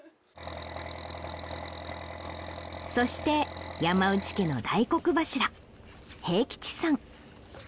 そして山内家の大黒柱平吉さん。